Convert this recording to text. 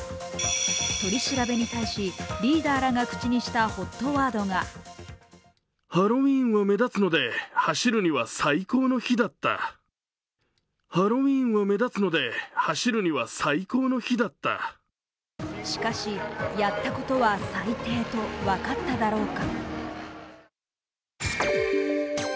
取り調べに対しリーダーらが口にしたＨＯＴワードがしかし、やったことは最低と分かっただろうか。